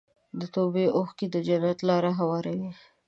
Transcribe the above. د توبې اوښکې د جنت لاره هواروي.